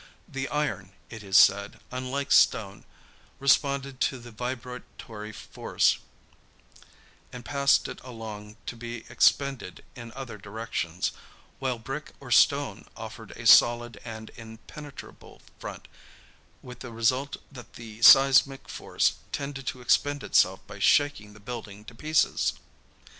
The iron, it is said, unlike stone, responded to the vibratory force and passed it along to be expended in other directions, while brick or stone offered a solid and impenetrable front, with the result that the seismic force tended to expend itself by shaking the building to pieces.